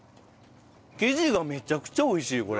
生地がめちゃくちゃ美味しいよこれ。